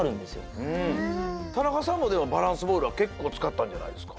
田中さんもでもバランスボールはけっこうつかったんじゃないですか？